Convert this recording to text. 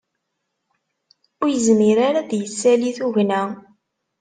Ur yezmir ara ad d-isali tugna